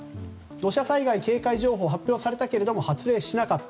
土砂災害警戒情報は発表されたけれども発令しなかった。